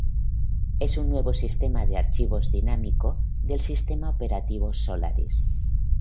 Es un nuevo sistema de archivos dinámico del sistema operativo Solaris.